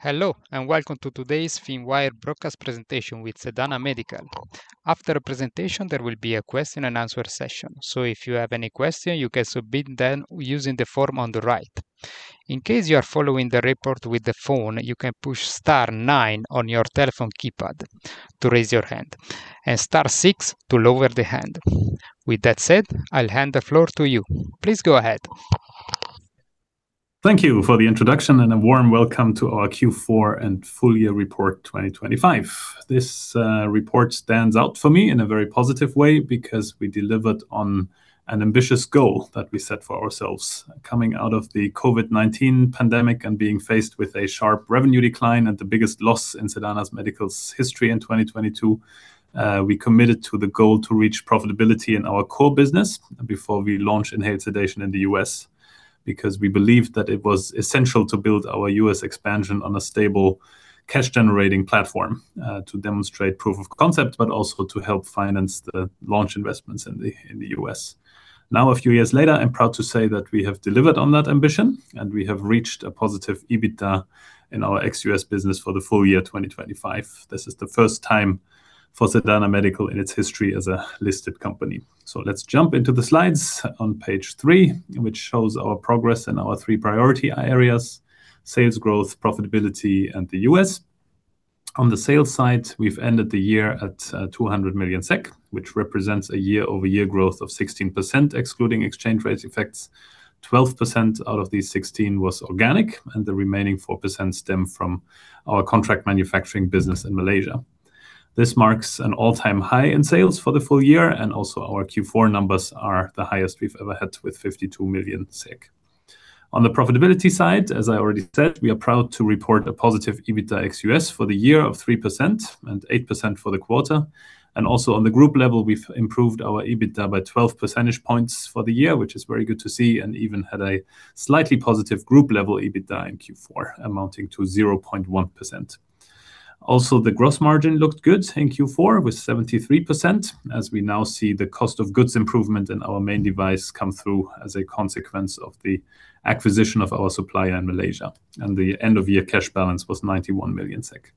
Hello, and welcome to today's Finwire Broadcast presentation with Sedana Medical. After the presentation, there will be a question and answer session. So if you have any question, you can submit them using the form on the right. In case you are following the report with the phone, you can push star nine on your telephone keypad to raise your hand, and star six to lower the hand. With that said, I'll hand the floor to you. Please go ahead. Thank you for the introduction, and a warm welcome to our Q4 and full year report 2025. This report stands out for me in a very positive way because we delivered on an ambitious goal that we set for ourselves. Coming out of the COVID-19 pandemic and being faced with a sharp revenue decline and the biggest loss in Sedana Medical's history in 2022, we committed to the goal to reach profitability in our core business before we launched inhaled sedation in the US, because we believed that it was essential to build our US expansion on a stable cash-generating platform, to demonstrate proof of concept, but also to help finance the launch investments in the US. Now, a few years later, I'm proud to say that we have delivered on that ambition, and we have reached a positive EBITDA in our ex-US business for the full year 2025. This is the first time for Sedana Medical in its history as a listed company. So let's jump into the slides on page 3, which shows our progress in our 3 priority areas: sales growth, profitability, and the US. On the sales side, we've ended the year at 200 million SEK, which represents a year-over-year growth of 16%, excluding exchange rate effects. 12% out of these 16 was organic, and the remaining 4% stem from our contract manufacturing business in Malaysia. This marks an all-time high in sales for the full year, and also our Q4 numbers are the highest we've ever had, with 52 million SEK. On the profitability side, as I already said, we are proud to report a positive EBITDA ex-US for the year of 3% and 8% for the quarter. Also on the group level, we've improved our EBITDA by 12 percentage points for the year, which is very good to see, and even had a slightly positive group level EBITDA in Q4, amounting to 0.1%. Also, the gross margin looked good in Q4 with 73%, as we now see the cost of goods improvement in our main device come through as a consequence of the acquisition of our supplier in Malaysia, and the end-of-year cash balance was 91 million SEK.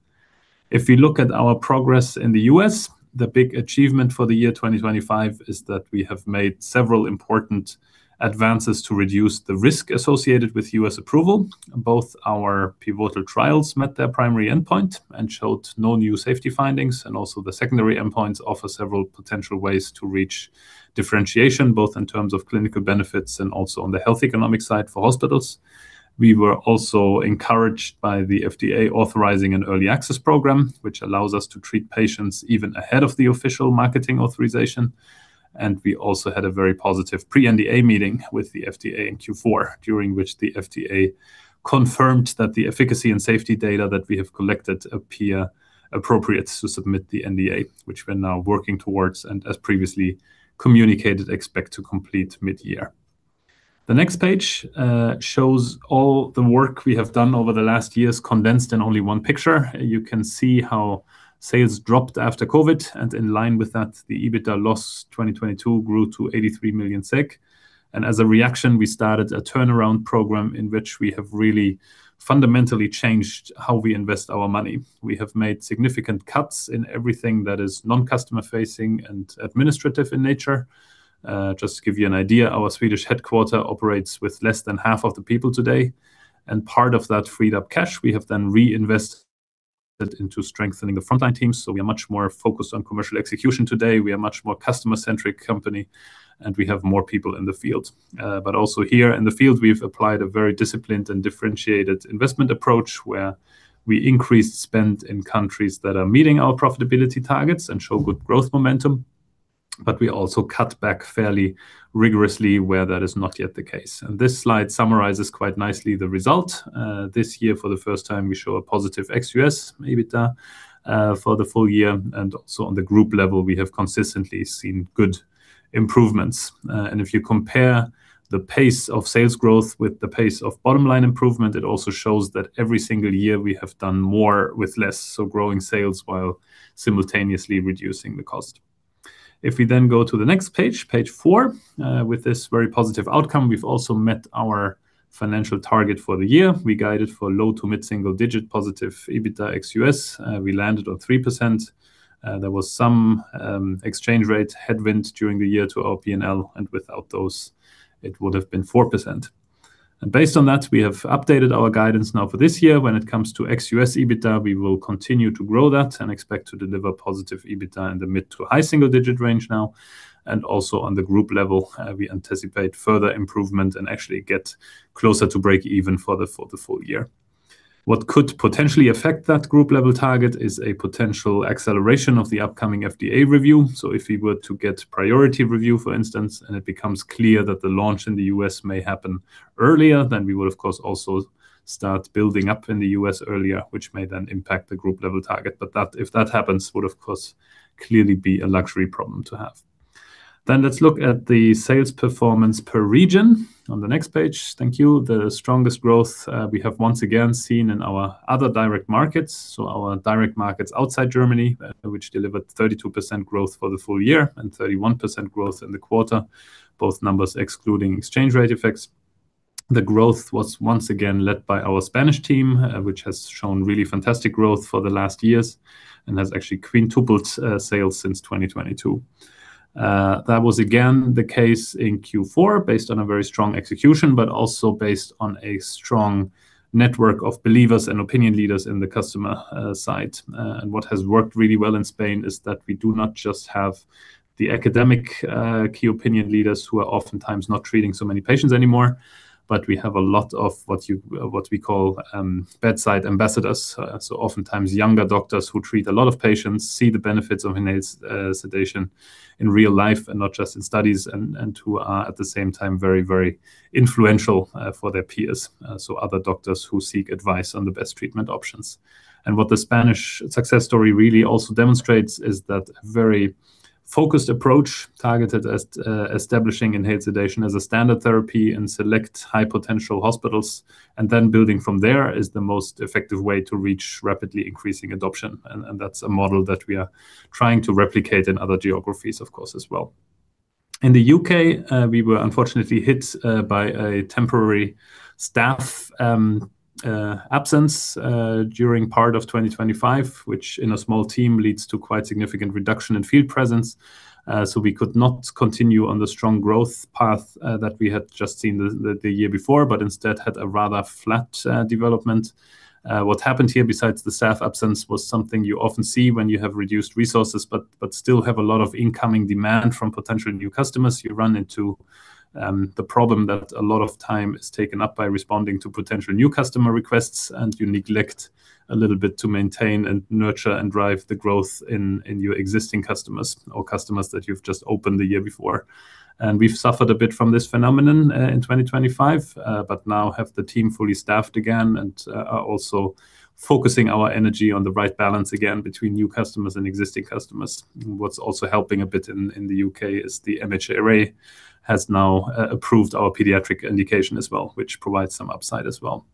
If we look at our progress in the US, the big achievement for the year 2025 is that we have made several important advances to reduce the risk associated with US approval. Both our pivotal trials met their primary endpoint and showed no new safety findings, and also the secondary endpoints offer several potential ways to reach differentiation, both in terms of clinical benefits and also on the health economic side for hospitals. We were also encouraged by the FDA authorizing an early access program, which allows us to treat patients even ahead of the official marketing authorization. And we also had a very positive Pre-NDA Meeting with the FDA in Q4, during which the FDA confirmed that the efficacy and safety data that we have collected appear appropriate to submit the NDA, which we're now working towards, and as previously communicated, expect to complete mid-year. The next page shows all the work we have done over the last years, condensed in only one picture. You can see how sales dropped after COVID, and in line with that, the EBITDA loss in 2022 grew to 83 million SEK. And as a reaction, we started a turnaround program in which we have really fundamentally changed how we invest our money. We have made significant cuts in everything that is non-customer facing and administrative in nature. Just to give you an idea, our Swedish headquarters operates with less than half of the people today, and part of that freed up cash, we have then reinvested into strengthening the frontline teams. So we are much more focused on commercial execution today. We are a much more customer-centric company, and we have more people in the field. But also here in the field, we've applied a very disciplined and differentiated investment approach, where we increased spend in countries that are meeting our profitability targets and show good growth momentum, but we also cut back fairly rigorously where that is not yet the case. This slide summarizes quite nicely the result. This year, for the first time, we show a positive ex-US EBITDA for the full year, and so on the group level, we have consistently seen good improvements. If you compare the pace of sales growth with the pace of bottom-line improvement, it also shows that every single year we have done more with less, so growing sales while simultaneously reducing the cost. If we then go to the next page, page four, with this very positive outcome, we've also met our financial target for the year. We guided for low- to mid-single-digit positive EBITDA ex-US. We landed on 3%. There was some exchange rate headwind during the year to our PNL, and without those, it would have been 4%. Based on that, we have updated our guidance now for this year. When it comes to ex-US EBITDA, we will continue to grow that and expect to deliver positive EBITDA in the mid- to high-single-digit range now. Also on the group level, we anticipate further improvement and actually get closer to break even for the full year. What could potentially affect that group level target is a potential acceleration of the upcoming FDA review. So if we were to get priority review, for instance, and it becomes clear that the launch in the US may happen earlier, then we would, of course, also start building up in the US earlier, which may then impact the group level target. But that, if that happens, would, of course, clearly be a luxury problem to have. Then let's look at the sales performance per region on the next page. Thank you. The strongest growth, we have once again seen in our other direct markets, so our direct markets outside Germany, which delivered 32% growth for the full year and 31% growth in the quarter, both numbers excluding exchange rate effects. The growth was once again led by our Spanish team, which has shown really fantastic growth for the last years, and has actually quintupled sales since 2022. That was again the case in Q4, based on a very strong execution, but also based on a strong network of believers and opinion leaders in the customer side. And what has worked really well in Spain is that we do not just have the academic key opinion leaders, who are oftentimes not treating so many patients anymore, but we have a lot of what we call bedside ambassadors. So oftentimes, younger doctors who treat a lot of patients, see the benefits of inhaled sedation in real life, and not just in studies, and who are at the same time, very, very influential for their peers. So other doctors who seek advice on the best treatment options. What the Spanish success story really also demonstrates is that a very focused approach, targeted at establishing inhaled sedation as a standard therapy in select high-potential hospitals, and then building from there, is the most effective way to reach rapidly increasing adoption. And that's a model that we are trying to replicate in other geographies, of course, as well. In the U.K., we were unfortunately hit by a temporary staff absence during part of 2025, which in a small team leads to quite significant reduction in field presence. We could not continue on the strong growth path that we had just seen the year before, but instead had a rather flat development. What happened here, besides the staff absence, was something you often see when you have reduced resources, but still have a lot of incoming demand from potential new customers. You run into the problem that a lot of time is taken up by responding to potential new customer requests, and you neglect a little bit to maintain, and nurture, and drive the growth in your existing customers or customers that you've just opened the year before. And we've suffered a bit from this phenomenon in 2025, but now have the team fully staffed again, and are also focusing our energy on the right balance again between new customers and existing customers. What's also helping a bit in the UK is the MHRA has now approved our pediatric indication as well, which provides some upside as well.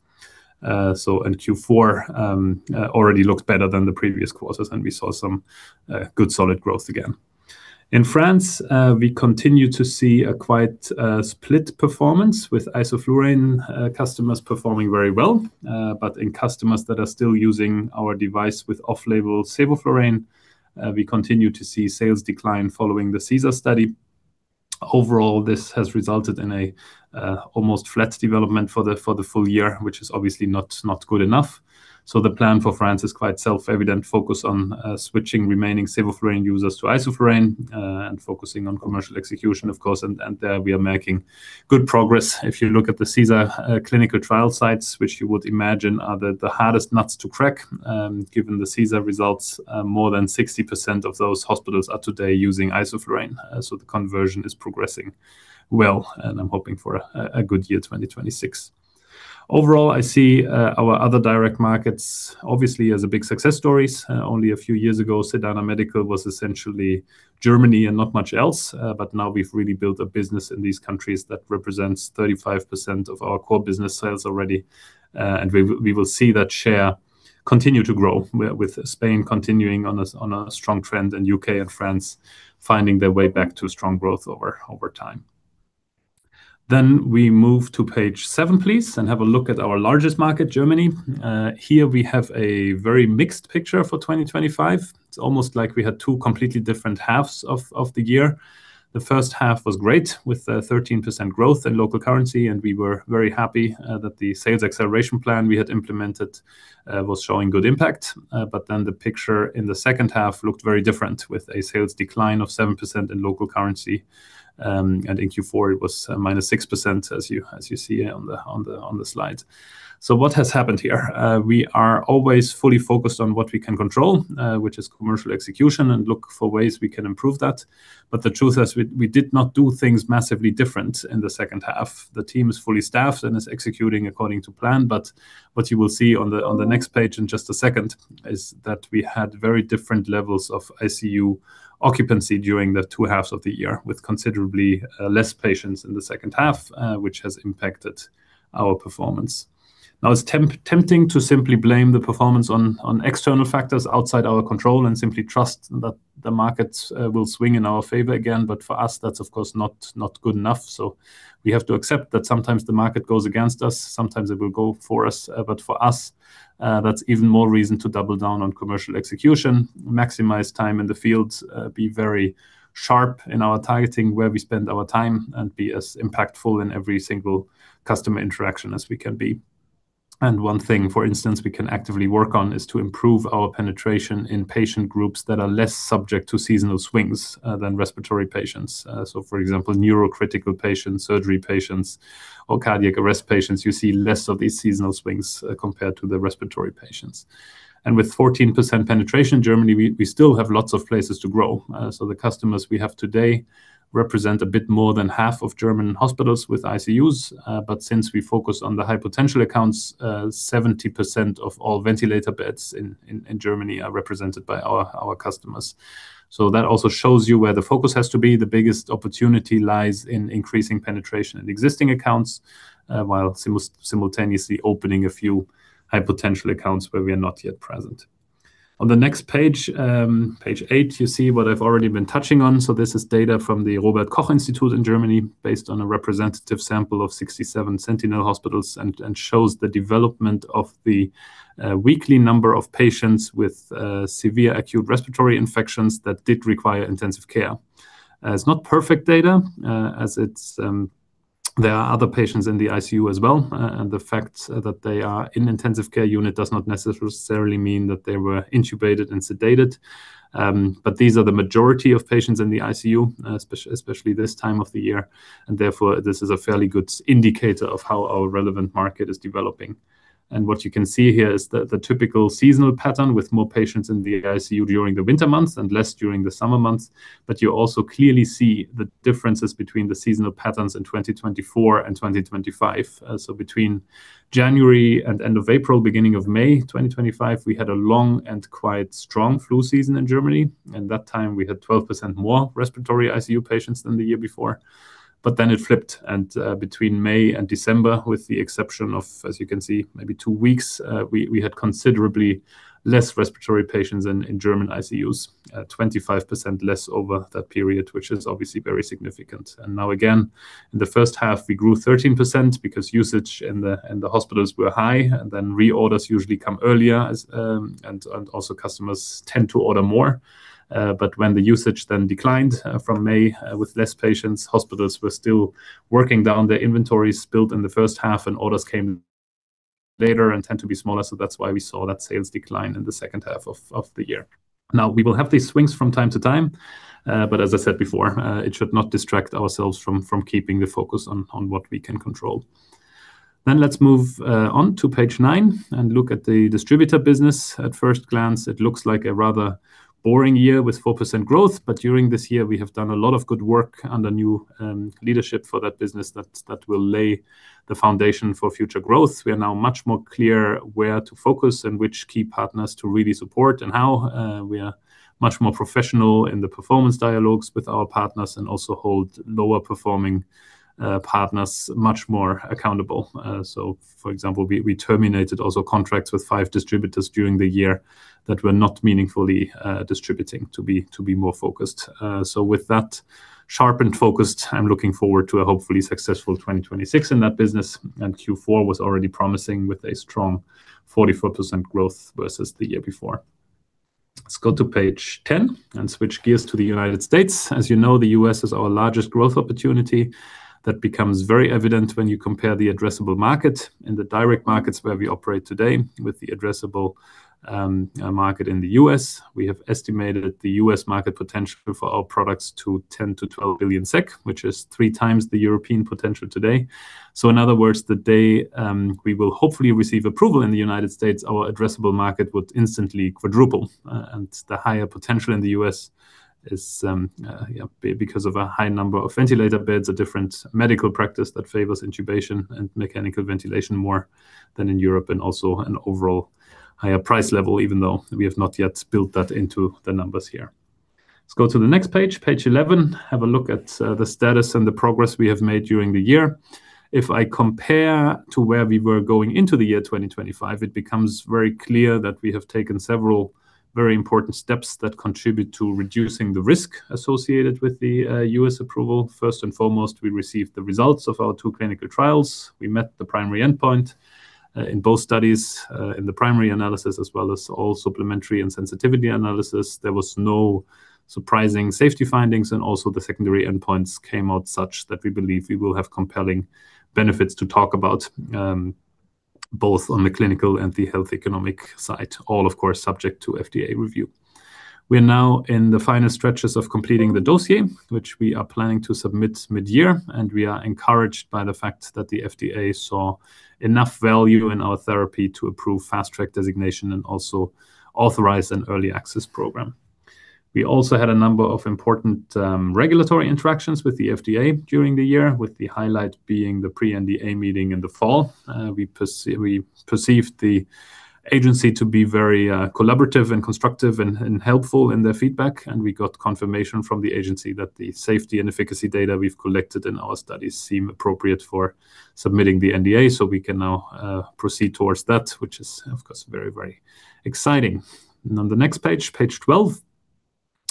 So in Q4 already looked better than the previous quarters, and we saw some good, solid growth again. In France, we continue to see quite a split performance with isoflurane customers performing very well. But in customers that are still using our device with off-label sevoflurane, we continue to see sales decline following the SESAR study. Overall, this has resulted in almost flat development for the full year, which is obviously not good enough. So the plan for France is quite self-evident, focus on switching remaining sevoflurane users to isoflurane and focusing on commercial execution, of course, and we are making good progress. If you look at the SESAR clinical trial sites, which you would imagine are the hardest nuts to crack, given the SESAR results, more than 60% of those hospitals are today using isoflurane. So the conversion is progressing well, and I'm hoping for a good year 2026. Overall, I see our other direct markets, obviously as big success stories. Only a few years ago, Sedana Medical was essentially Germany and not much else. But now we've really built a business in these countries that represents 35% of our core business sales already. And we will see that share continue to grow, with Spain continuing on a strong trend, and UK and France finding their way back to strong growth over time. Then we move to page 7, please, and have a look at our largest market, Germany. Here we have a very mixed picture for 2025. It's almost like we had two completely different halves of the year. The first half was great, with a 13% growth in local currency, and we were very happy that the sales acceleration plan we had implemented was showing good impact. But then the picture in the second half looked very different, with a sales decline of 7% in local currency, and in Q4, it was -6%, as you see on the slide. So what has happened here? We are always fully focused on what we can control, which is commercial execution, and look for ways we can improve that. But the truth is, we did not do things massively different in the second half. The team is fully staffed and is executing according to plan. But what you will see on the next page in just a second is that we had very different levels of ICU occupancy during the two halves of the year, with considerably less patients in the second half, which has impacted our performance. Now, it's tempting to simply blame the performance on external factors outside our control, and simply trust that the market will swing in our favor again, but for us, that's, of course, not good enough. So we have to accept that sometimes the market goes against us, sometimes it will go for us. But for us, that's even more reason to double down on commercial execution, maximize time in the field, be very sharp in our targeting, where we spend our time, and be as impactful in every single customer interaction as we can be. And one thing, for instance, we can actively work on, is to improve our penetration in patient groups that are less subject to seasonal swings, than respiratory patients. So for example, neurocritical patients, surgery patients, or cardiac arrest patients, you see less of these seasonal swings, compared to the respiratory patients. And with 14% penetration in Germany, we still have lots of places to grow. So the customers we have today represent a bit more than half of German hospitals with ICUs. But since we focus on the high-potential accounts, 70% of all ventilator beds in Germany are represented by our customers. So that also shows you where the focus has to be. The biggest opportunity lies in increasing penetration in existing accounts, while simultaneously opening a few high-potential accounts where we are not yet present. On the next page, page 8, you see what I've already been touching on. So this is data from the Robert Koch Institute in Germany, based on a representative sample of 67 sentinel hospitals and shows the development of the weekly number of patients with severe acute respiratory infections that did require intensive care. It's not perfect data, as it's... There are other patients in the ICU as well, and the fact that they are in intensive care unit does not necessarily mean that they were intubated and sedated. But these are the majority of patients in the ICU, especially this time of the year, and therefore, this is a fairly good indicator of how our relevant market is developing. And what you can see here is the typical seasonal pattern with more patients in the ICU during the winter months and less during the summer months. But you also clearly see the differences between the seasonal patterns in 2024 and 2025. So between January and end of April, beginning of May 2025, we had a long and quite strong flu season in Germany, and that time we had 12% more respiratory ICU patients than the year before. But then it flipped, and between May and December, with the exception of, as you can see, maybe two weeks, we had considerably less respiratory patients in German ICUs. 25% less over that period, which is obviously very significant. And now again, in the first half, we grew 13% because usage in the hospitals were high, and then reorders usually come earlier as, and also customers tend to order more. But when the usage then declined, from May, with less patients, hospitals were still working down their inventories built in the first half, and orders came later and tend to be smaller. So that's why we saw that sales decline in the second half of the year. Now, we will have these swings from time to time, but as I said before, it should not distract ourselves from keeping the focus on what we can control. Then let's move on to page 9 and look at the distributor business. At first glance, it looks like a rather boring year with 4% growth, but during this year we have done a lot of good work under new leadership for that business that will lay the foundation for future growth. We are now much more clear where to focus and which key partners to really support and how. We are much more professional in the performance dialogues with our partners and also hold lower performing partners much more accountable. So for example, we terminated also contracts with five distributors during the year that were not meaningfully distributing to be more focused. So with that sharpened focus, I'm looking forward to a hopefully successful 2026 in that business, and Q4 was already promising with a strong 44% growth versus the year before. Let's go to page 10 and switch gears to the United States. As you know, the U.S. is our largest growth opportunity. That becomes very evident when you compare the addressable market in the direct markets where we operate today with the addressable market in the U.S. We have estimated the U.S. market potential for our products to 10-12 billion SEK, which is three times the European potential today. So in other words, the day we will hopefully receive approval in the United States, our addressable market would instantly quadruple. And the higher potential in the US is, yeah, because of a high number of ventilator beds, a different medical practice that favors intubation and mechanical ventilation more than in Europe, and also an overall higher price level, even though we have not yet built that into the numbers here. Let's go to the next page, page 11. Have a look at the status and the progress we have made during the year. If I compare to where we were going into the year 2025, it becomes very clear that we have taken several very important steps that contribute to reducing the risk associated with the US approval. First and foremost, we received the results of our two clinical trials. We met the primary endpoint in both studies in the primary analysis, as well as all supplementary and sensitivity analysis. There was no surprising safety findings, and also the secondary endpoints came out such that we believe we will have compelling benefits to talk about both on the clinical and the health economic side. All, of course, subject to FDA review. We are now in the final stretches of completing the dossier, which we are planning to submit mid-year, and we are encouraged by the fact that the FDA saw enough value in our therapy to approve Fast Track Designation and also authorize an early access program. We also had a number of important regulatory interactions with the FDA during the year, with the highlight being the Pre-NDA Meeting in the fall. We perceived the agency to be very, collaborative and constructive and, and helpful in their feedback, and we got confirmation from the agency that the safety and efficacy data we've collected in our studies seem appropriate for submitting the NDA. So we can now proceed towards that, which is, of course, very, very exciting. And on the next page, page 12,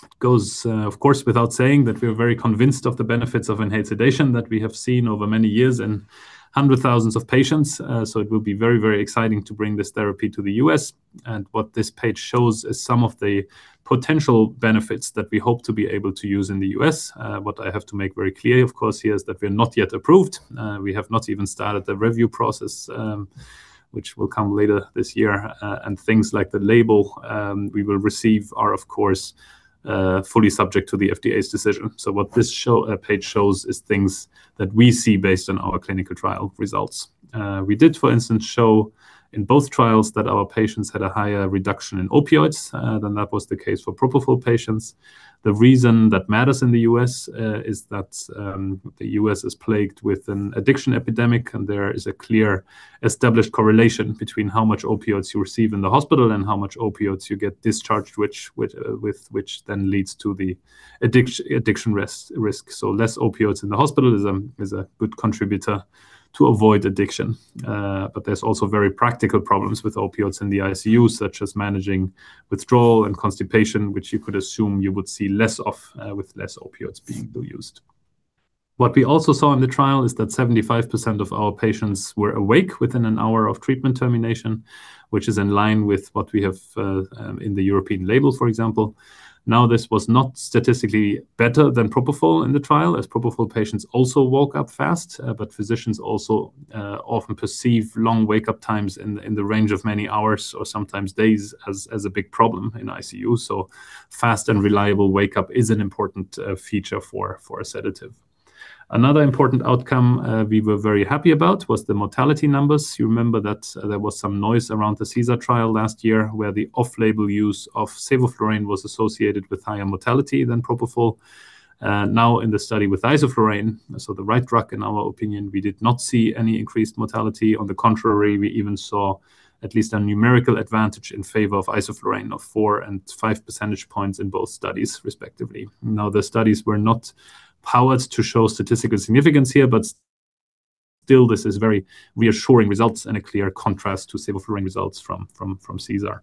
it goes, of course, without saying that we are very convinced of the benefits of enhanced sedation that we have seen over many years in hundreds of thousands of patients. So it will be very, very exciting to bring this therapy to the U.S. And what this page shows is some of the potential benefits that we hope to be able to use in the U.S. What I have to make very clear, of course, here is that we are not yet approved. We have not even started the review process, which will come later this year. And things like the label we will receive are, of course, fully subject to the FDA's decision. So what this show page shows is things that we see based on our clinical trial results. We did, for instance, show in both trials that our patients had a higher reduction in opioids than that was the case for propofol patients. The reason that matters in the U.S. is that the U.S. is plagued with an addiction epidemic, and there is a clear established correlation between how much opioids you receive in the hospital and how much opioids you get discharged, which then leads to the addiction risk. So less opioids in the hospital is a good contributor to avoid addiction. But there's also very practical problems with opioids in the ICU, such as managing withdrawal and constipation, which you could assume you would see less of with less opioids being used. What we also saw in the trial is that 75% of our patients were awake within an hour of treatment termination, which is in line with what we have in the European label, for example. Now, this was not statistically better than propofol in the trial, as propofol patients also woke up fast. But physicians also often perceive long wake-up times in the range of many hours or sometimes days as a big problem in ICU. So fast and reliable wake-up is an important feature for a sedative. Another important outcome, we were very happy about was the mortality numbers. You remember that there was some noise around the SESAR trial last year, where the off-label use of sevoflurane was associated with higher mortality than propofol. Now in the study with isoflurane, so the right drug, in our opinion, we did not see any increased mortality. On the contrary, we even saw at least a numerical advantage in favor of isoflurane of 4 and 5 percentage points in both studies, respectively. Now, the studies were not powered to show statistical significance here, but still, this is very reassuring results and a clear contrast to sevoflurane results from SESAR.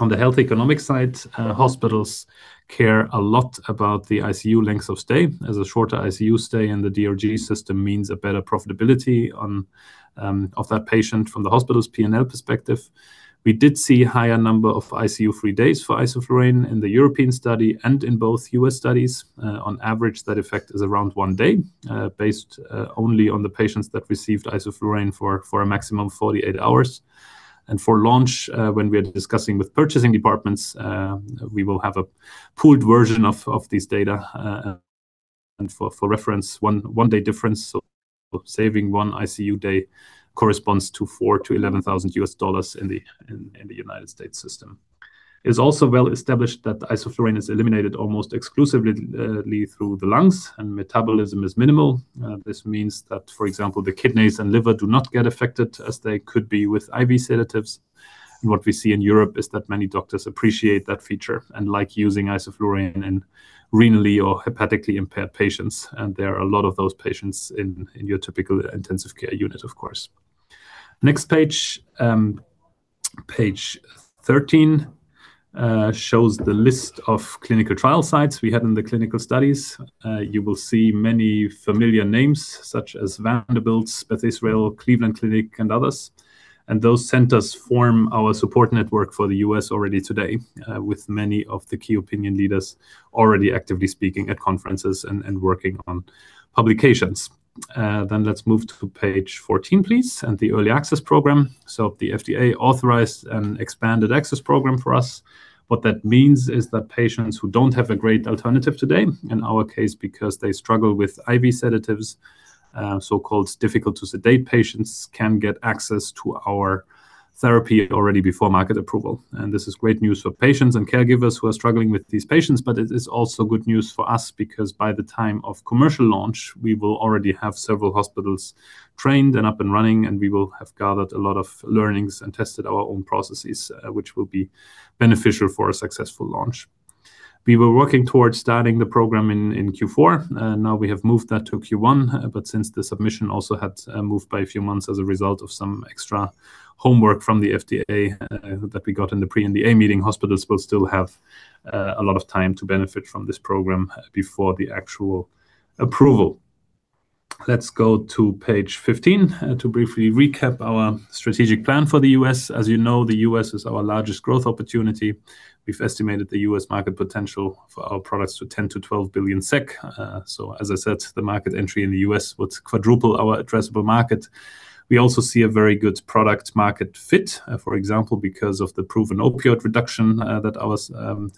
On the health economic side, hospitals care a lot about the ICU length of stay, as a shorter ICU stay in the DRG system means a better profitability on of that patient from the hospital's P&L perspective. We did see higher number of ICU-free days for isoflurane in the European study and in both US studies. On average, that effect is around one day based only on the patients that received isoflurane for a maximum of 48 hours. And for launch, when we are discussing with purchasing departments, we will have a pooled version of these data and for reference, one-day difference. So saving one ICU day corresponds to $4,000-$11,000 in the United States system. It's also well established that the isoflurane is eliminated almost exclusively through the lungs, and metabolism is minimal. This means that, for example, the kidneys and liver do not get affected as they could be with IV sedatives. What we see in Europe is that many doctors appreciate that feature and like using isoflurane in renally or hepatically impaired patients, and there are a lot of those patients in your typical intensive care unit, of course. Next page, page 13 shows the list of clinical trial sites we had in the clinical studies. You will see many familiar names, such as Vanderbilt, Beth Israel, Cleveland Clinic, and others. Those centers form our support network for the U.S. already today, with many of the key opinion leaders already actively speaking at conferences and, and working on publications. Let's move to page 14, please, and the early access program. The FDA authorized an Expanded Access Program for us. What that means is that patients who don't have a great alternative today, in our case, because they struggle with IV sedatives, so-called difficult-to-sedate patients, can get access to our therapy already before market approval. This is great news for patients and caregivers who are struggling with these patients, but it is also good news for us because by the time of commercial launch, we will already have several hospitals trained and up and running, and we will have gathered a lot of learnings and tested our own processes, which will be beneficial for a successful launch. We were working towards starting the program in Q4, now we have moved that to Q1. Since the submission also had moved by a few months as a result of some extra homework from the FDA, that we got in the pre-NDA meeting, hospitals will still have a lot of time to benefit from this program before the actual approval. Let's go to page 15, to briefly recap our strategic plan for the U.S. As you know, the US is our largest growth opportunity. We've estimated the US market potential for our products to 10-12 billion SEK. So as I said, the market entry in the US would quadruple our addressable market. We also see a very good product market fit, for example, because of the proven opioid reduction that our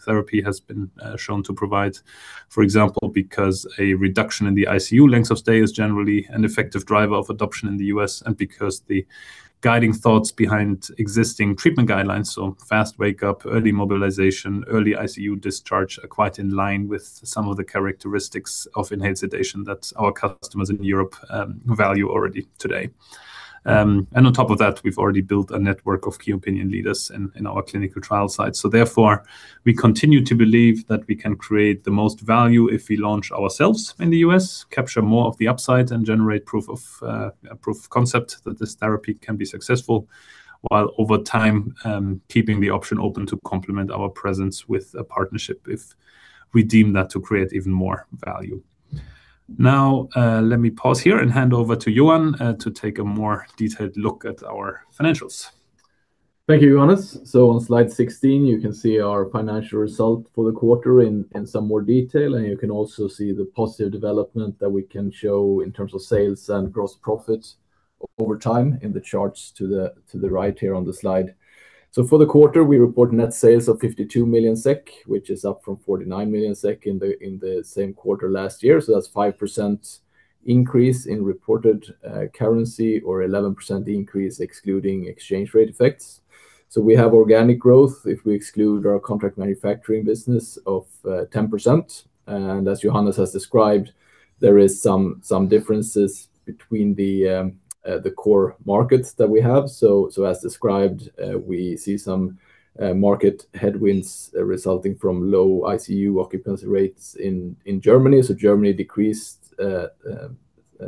therapy has been shown to provide. For example, because a reduction in the ICU length of stay is generally an effective driver of adoption in the US, and because the guiding thoughts behind existing treatment guidelines, so fast wake-up, early mobilization, early ICU discharge, are quite in line with some of the characteristics of inhaled sedation that our customers in Europe value already today. And on top of that, we've already built a network of key opinion leaders in our clinical trial site. So therefore, we continue to believe that we can create the most value if we launch ourselves in the U.S., capture more of the upside, and generate proof of a proof of concept that this therapy can be successful, while over time keeping the option open to complement our presence with a partnership if we deem that to create even more value. Now, let me pause here and hand over to Johan to take a more detailed look at our financials. Thank you, Johannes. So on slide 16, you can see our financial result for the quarter in some more detail, and you can also see the positive development that we can show in terms of sales and gross profits over time in the charts to the right here on the slide. So for the quarter, we report net sales of 52 million SEK, which is up from 49 million SEK in the same quarter last year. So that's 5% increase in reported currency or 11% increase, excluding exchange rate effects. So we have organic growth, if we exclude our contract manufacturing business of 10%. And as Johannes has described, there is some differences between the core markets that we have. As described, we see some market headwinds resulting from low ICU occupancy rates in Germany. Germany decreased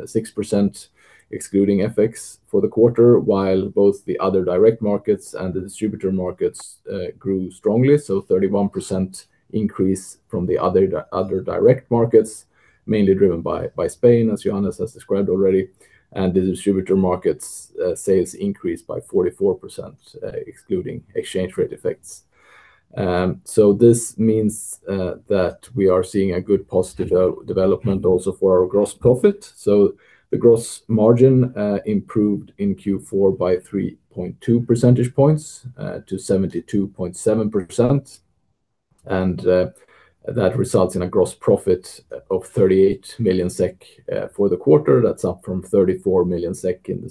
six percent, excluding FX for the quarter, while both the other direct markets and the distributor markets grew strongly. 31% increase from the other direct markets, mainly driven by Spain, as Johannes has described already. And the distributor markets sales increased by 44%, excluding exchange rate effects. This means that we are seeing a good positive development also for our gross profit. The gross margin improved in Q4 by 3.2 percentage points to 72.7%. That results in a gross profit of 38 million SEK for the quarter. That's up from 34 million SEK in the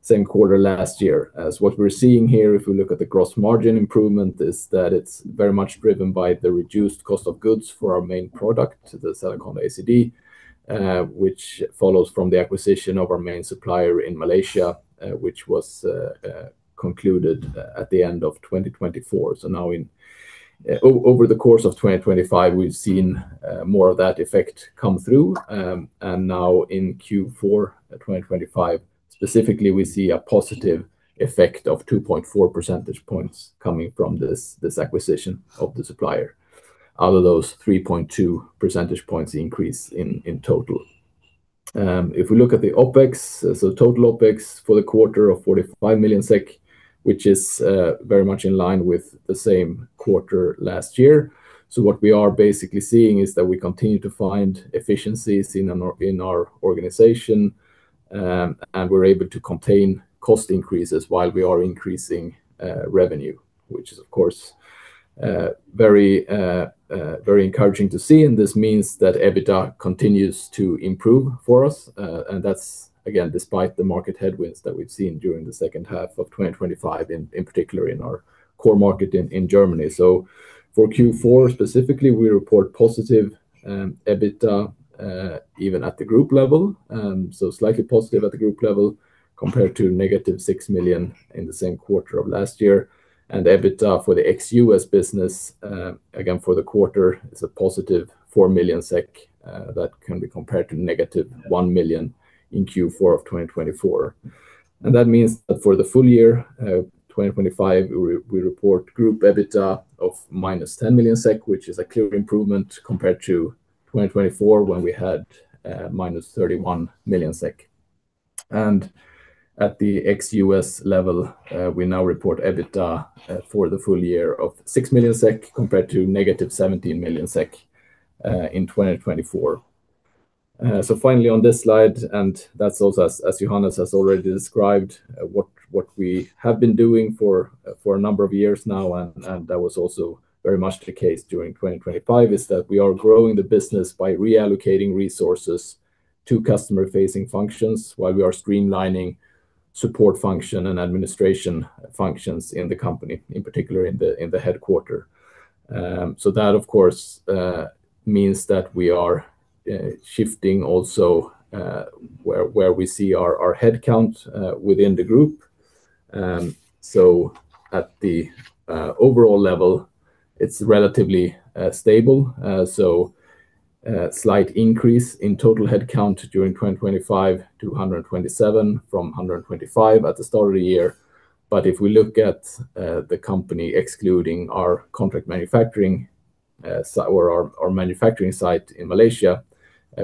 same quarter last year. As what we're seeing here, if we look at the gross margin improvement, is that it's very much driven by the reduced cost of goods for our main product, the Sedaconda ACD, which follows from the acquisition of our main supplier in Malaysia, which was concluded at the end of 2024. So now in... Over the course of 2025, we've seen more of that effect come through. And now in Q4 of 2025, specifically, we see a positive effect of 2.4 percentage points coming from this acquisition of the supplier. Out of those, 3.2 percentage points increase in total. If we look at the OpEx, so total OpEx for the quarter of 45 million SEK, which is very much in line with the same quarter last year. So what we are basically seeing is that we continue to find efficiencies in our, in our organization, and we're able to contain cost increases while we are increasing, revenue, which is, of course, very, very encouraging to see. And this means that EBITDA continues to improve for us, and that's again, despite the market headwinds that we've seen during the second half of 2025, in, in particular, in our core market in, in Germany. So for Q4, specifically, we report positive, EBITDA, even at the group level. So slightly positive at the group level, compared to negative 6 million in the same quarter of last year. And EBITDA for the ex-US business, again, for the quarter, is a positive 4 million SEK, that can be compared to negative 1 million in Q4 of 2024. That means that for the full year, 2025, we report group EBITDA of -10 million SEK, which is a clear improvement compared to 2024, when we had -31 million SEK. At the ex-US level, we now report EBITDA for the full year of 6 million SEK, compared to -17 million SEK in 2024. So finally, on this slide, and that's also, as Johannes has already described, what we have been doing for a number of years now, and that was also very much the case during 2025, is that we are growing the business by reallocating resources to customer-facing functions while we are streamlining support function and administration functions in the company, in particular, in the headquarters. So that, of course, means that we are shifting also where we see our head count within the group. So at the overall level, it's relatively stable. So, slight increase in total head count during 2025 to 127 from 125 at the start of the year. But if we look at the company, excluding our contract manufacturing site or our manufacturing site in Malaysia,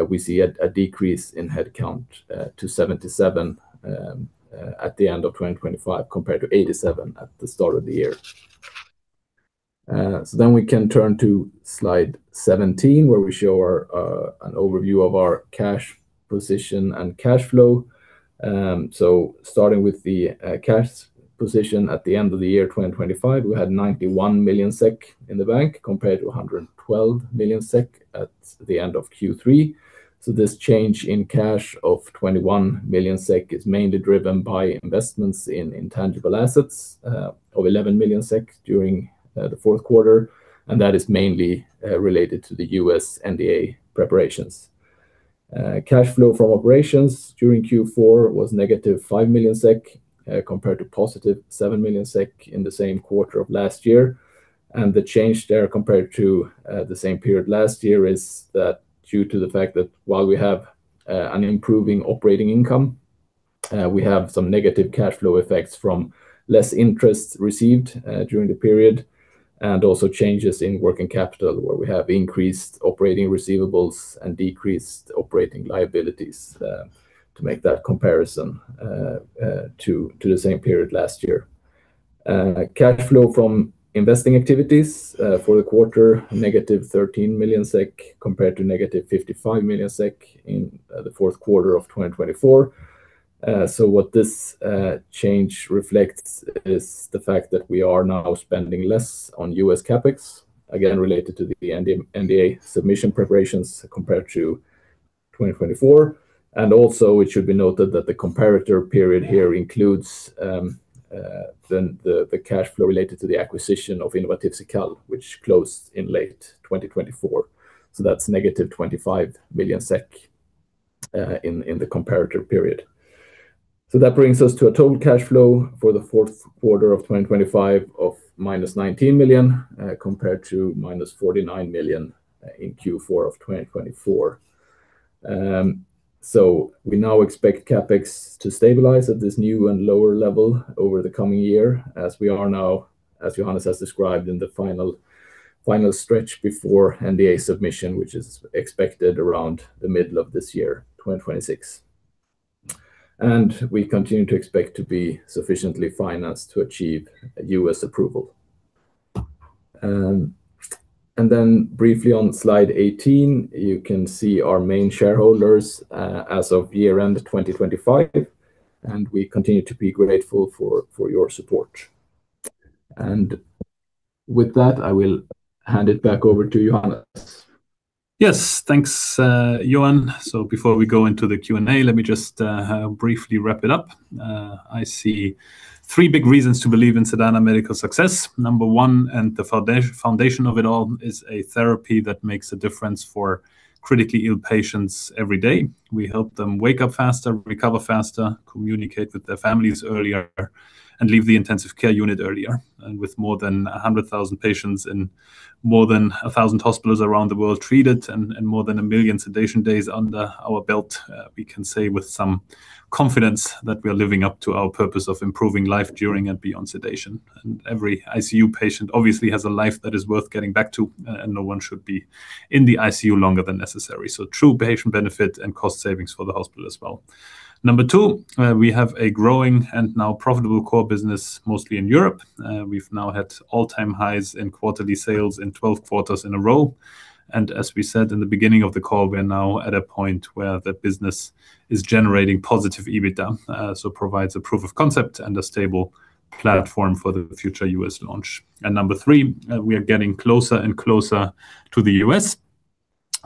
we see a decrease in head count to 77 at the end of 2025, compared to 87 at the start of the year. So then we can turn to slide 17, where we show our an overview of our cash position and cash flow. So starting with the cash position at the end of the year 2025, we had 91 million SEK in the bank, compared to 112 million SEK at the end of Q3. So this change in cash of 21 million SEK is mainly driven by investments in intangible assets of 11 million SEK during the fourth quarter, and that is mainly related to the US NDA preparations. Cash flow from operations during Q4 was negative 5 million SEK, compared to positive 7 million SEK in the same quarter of last year. The change there, compared to the same period last year, is that due to the fact that while we have an improving operating income, we have some negative cash flow effects from less interest received during the period, and also changes in working capital, where we have increased operating receivables and decreased operating liabilities, to make that comparison to the same period last year. Cash flow from investing activities for the quarter, negative 13 million SEK, compared to negative 55 million SEK in the fourth quarter of 2024. So what this change reflects is the fact that we are now spending less on US CapEx, again, related to the NDA, NDA submission preparations compared to 2024. It should be noted that the comparator period here includes the cash flow related to the acquisition of Innovatif Cekal, which closed in late 2024. So that's -25 million SEK in the comparator period. So that brings us to a total cash flow for the fourth quarter of 2025 of -19 million compared to -49 million in Q4 of 2024. So we now expect CapEx to stabilize at this new and lower level over the coming year, as we are now, as Johannes has described, in the final, final stretch before NDA submission, which is expected around the middle of this year, 2026. And we continue to expect to be sufficiently financed to achieve U.S. approval. Then briefly on slide 18, you can see our main shareholders as of year-end 2025, and we continue to be grateful for your support. With that, I will hand it back over to Johannes. Yes. Thanks, Johan. So before we go into the Q&A, let me just briefly wrap it up. I see three big reasons to believe in Sedana Medical success. Number one, and the foundation of it all, is a therapy that makes a difference for critically ill patients every day. We help them wake up faster, recover faster, communicate with their families earlier, and leave the intensive care unit earlier. And with more than 100,000 patients in more than 1,000 hospitals around the world treated, and more than 1 million sedation days under our belt, we can say with some confidence that we are living up to our purpose of improving life during and beyond sedation. And every ICU patient obviously has a life that is worth getting back to, and no one should be in the ICU longer than necessary. So true patient benefit and cost savings for the hospital as well. Number two, we have a growing and now profitable core business, mostly in Europe. We've now had all-time highs in quarterly sales in 12 quarters in a row. And as we said in the beginning of the call, we are now at a point where the business is generating positive EBITDA, so provides a proof of concept and a stable platform for the future US launch. And number three, we are getting closer and closer to the US,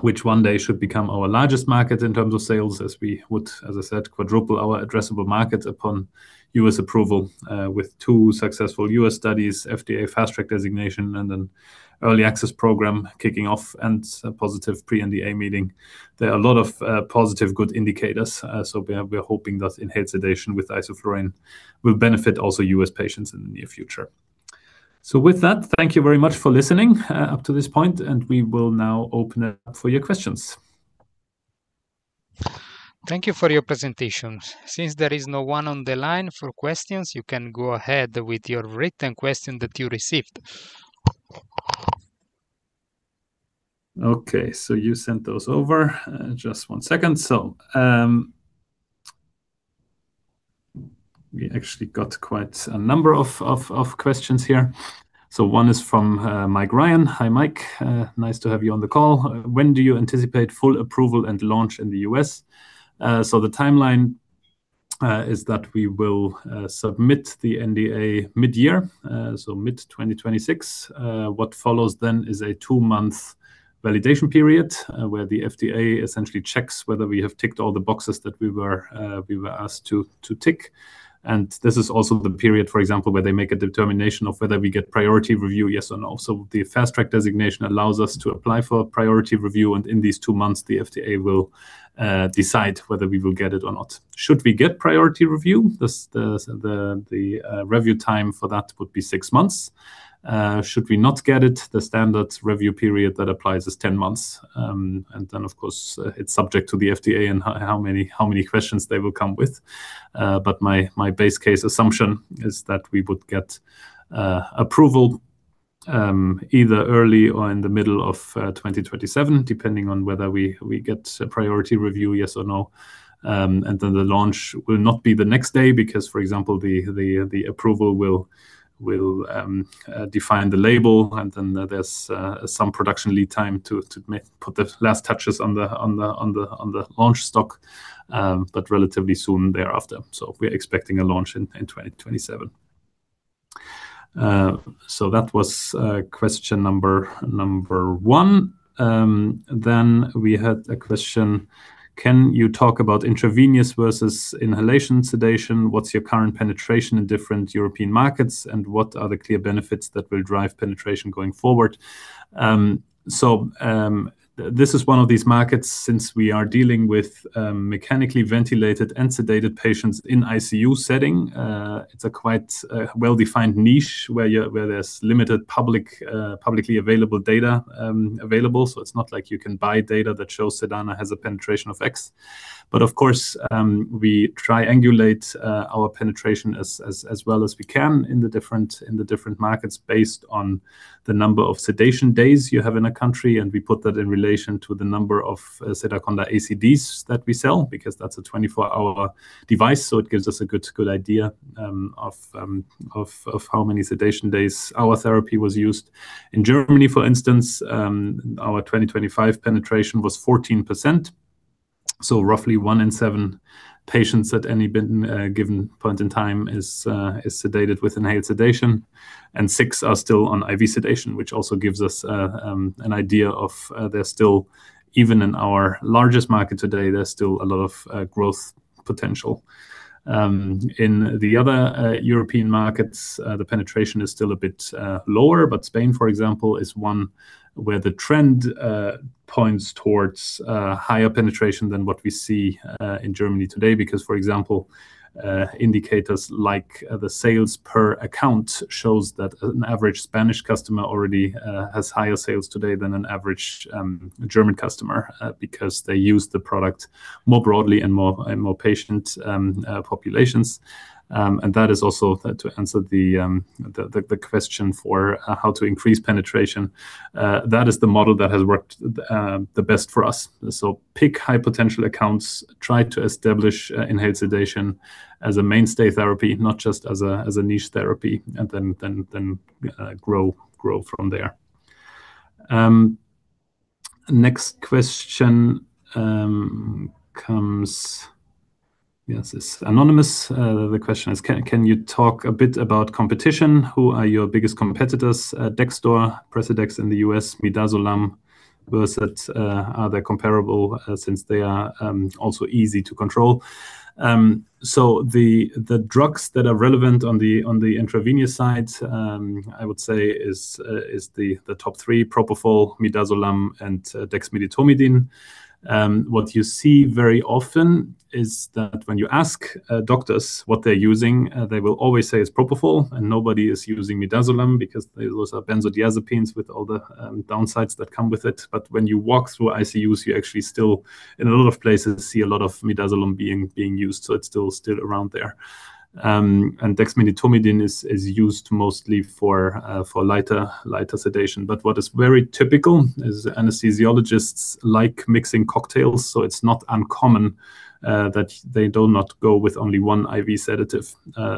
which one day should become our largest market in terms of sales, as we would, as I said, quadruple our addressable market upon US approval, with two successful US studies, FDA Fast Track Designation, and an early access program kicking off, and a positive pre-NDA meeting. There are a lot of positive, good indicators, so we are hoping that inhaled sedation with isoflurane will benefit also US patients in the near future. So with that, thank you very much for listening up to this point, and we will now open it up for your questions. Thank you for your presentation. Since there is no one on the line for questions, you can go ahead with your written question that you received. Okay. So you sent those over. Just one second. So, we actually got quite a number of questions here. So one is from Mike Ryan. Hi, Mike. Nice to have you on the call. "When do you anticipate full approval and launch in the US?" So the timeline is that we will submit the NDA mid-year, so mid-2026. What follows then is a two-month validation period, where the FDA essentially checks whether we have ticked all the boxes that we were asked to tick. And this is also the period, for example, where they make a determination of whether we get priority review, yes or no. So the Fast Track designation allows us to apply for a priority review, and in these two months, the FDA will decide whether we will get it or not. Should we get priority review, the review time for that would be six months. Should we not get it, the standard review period that applies is 10 months. And then, of course, it's subject to the FDA and how many questions they will come with. But my base case assumption is that we would get approval either early or in the middle of 2027, depending on whether we get a priority review, yes or no. And then the launch will not be the next day, because, for example, the approval will define the label, and then there's some production lead time to put the last touches on the launch stock, but relatively soon thereafter. So we're expecting a launch in 2027. So that was question number one. Then we had a question: "Can you talk about intravenous versus inhalation sedation? What's your current penetration in different European markets, and what are the clear benefits that will drive penetration going forward?" So this is one of these markets, since we are dealing with mechanically ventilated and sedated patients in ICU setting, it's a quite well-defined niche, where there's limited publicly available data available. So it's not like you can buy data that shows Sedana has a penetration of X. But of course, we triangulate our penetration as well as we can in the different markets, based on the number of sedation days you have in a country, and we put that in relation to the number of Sedaconda ACDs that we sell, because that's a 24-hour device, so it gives us a good idea of how many sedation days our therapy was used. In Germany, for instance, our 2025 penetration was 14%.... So roughly one in seven patients at any given point in time is sedated with inhaled sedation, and six are still on IV sedation, which also gives us an idea of there's still—even in our largest market today, there's still a lot of growth potential. In the other European markets, the penetration is still a bit lower, but Spain, for example, is one where the trend points towards higher penetration than what we see in Germany today. Because, for example, indicators like the sales per account shows that an average Spanish customer already has higher sales today than an average German customer because they use the product more broadly and more, and more patient populations. And that is also to answer the, the, the question for, how to increase penetration, that is the model that has worked, the best for us. So pick high potential accounts, try to establish, inhaled sedation as a mainstay therapy, not just as a niche therapy, and then, grow from there. Next question comes. Yes, it's anonymous. The question is: Can you talk a bit about competition? Who are your biggest competitors? Dexdor, Precedex in the US, Midazolam versus, are they comparable, since they are also easy to control? So the drugs that are relevant on the intravenous side, I would say is the top three: propofol, midazolam, and dexmedetomidine. What you see very often is that when you ask doctors what they're using, they will always say it's propofol, and nobody is using midazolam because those are benzodiazepines with all the downsides that come with it. But when you walk through ICUs, you actually still, in a lot of places, see a lot of midazolam being used, so it's still around there. And dexmedetomidine is used mostly for lighter sedation. But what is very typical is anesthesiologists like mixing cocktails, so it's not uncommon that they do not go with only one IV sedative.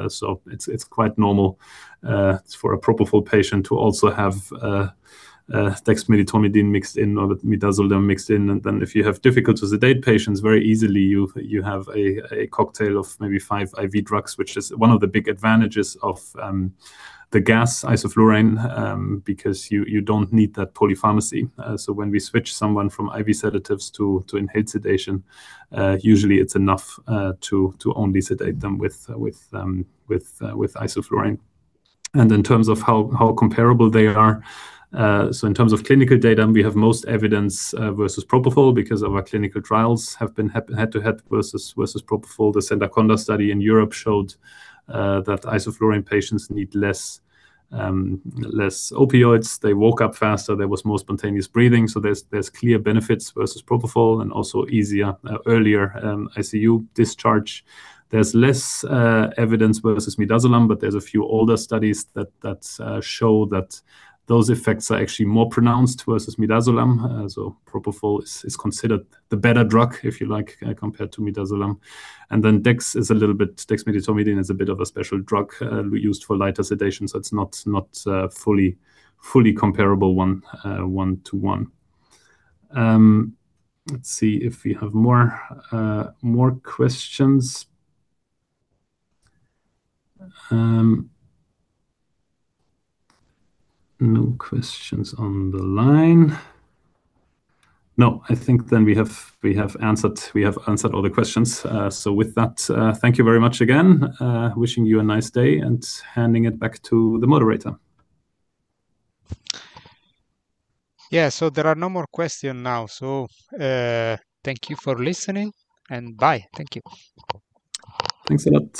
So it's quite normal for a propofol patient to also have dexmedetomidine mixed in or midazolam mixed in. If you have difficult to sedate patients, very easily you have a cocktail of maybe five IV drugs, which is one of the big advantages of the gas isoflurane, because you don't need that polypharmacy. So when we switch someone from IV sedatives to inhaled sedation, usually it's enough to only sedate them with isoflurane. In terms of how comparable they are, in terms of clinical data, we have most evidence versus propofol because of our clinical trials have been head-to-head versus propofol. The Sedaconda study in Europe showed that isoflurane patients need less opioids. They woke up faster. There was more spontaneous breathing, so there's clear benefits versus propofol, and also easier earlier ICU discharge. There's less evidence versus midazolam, but there's a few older studies that show that those effects are actually more pronounced versus midazolam. So propofol is considered the better drug, if you like, compared to midazolam. And then dex is a little bit dexmedetomidine is a bit of a special drug, used for lighter sedation, so it's not fully comparable one to one. Let's see if we have more questions. No questions on the line. No, I think then we have answered all the questions. So with that, thank you very much again. Wishing you a nice day and handing it back to the moderator. Yeah. So there are no more question now. So, thank you for listening, and bye. Thank you. Thanks a lot.